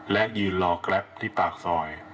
และยืนรอแกรปที่ปากซอย